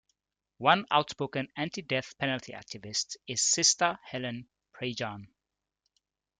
One out-spoken anti-death penalty activist is Sister Helen Prejean.